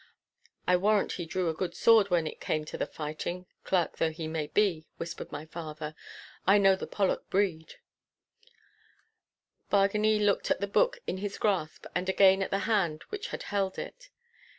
'I warrant he drew a good sword when it came to the fighting, clerk though he might be,' whispered my father, 'I know the Pollock breed!' Bargany looked at the book in his grasp and again at the hand which had held it.